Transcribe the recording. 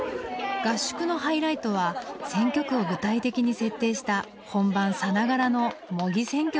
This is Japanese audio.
合宿のハイライトは選挙区を具体的に設定した本番さながらの模擬選挙です。